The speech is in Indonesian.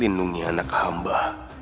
lindungi anak hamba